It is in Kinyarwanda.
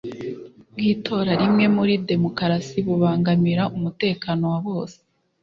bw'itora rimwe muri demokarasi bubangamira umutekano wa bose